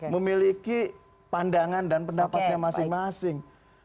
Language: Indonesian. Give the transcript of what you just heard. memiliki pandangan dan pendapatnya masing masing